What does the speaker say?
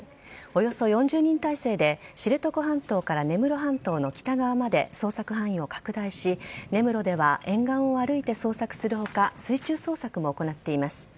およそ４０人態勢で知床半島から根室半島の北側まで捜索範囲を拡大し根室では沿岸を歩いて捜索する他水中捜索も行っています。